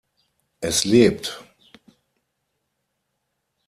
Es lebt!